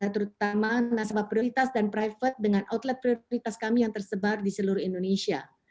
terutama nasabah prioritas dan private dengan outlet prioritas kami yang tersebar di seluruh indonesia